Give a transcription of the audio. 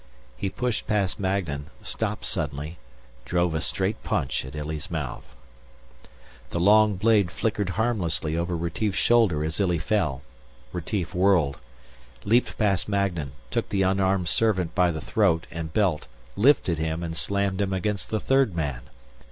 He pushed past Magnan, stopped suddenly, drove a straight punch at Illy's mouth. The long blade flicked harmlessly over Retief's shoulder as Illy fell. Retief whirled, leaped past Magnan, took the unarmed servant by the throat and belt, lifted him and slammed him against the third man.